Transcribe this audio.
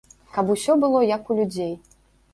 Каб усё было як у людзей.